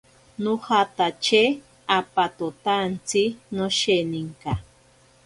Nojatache apatotaantsi nosheninka.